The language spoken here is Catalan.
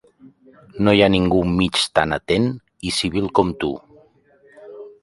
No hi ha ningú mig tan atent i civil com tu.